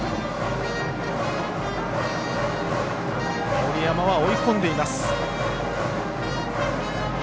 森山は追い込んでいます。